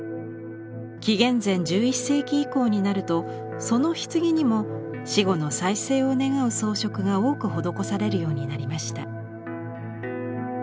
紀元前１１世紀以降になるとその棺にも死後の再生を願う装飾が多く施されるようになりました。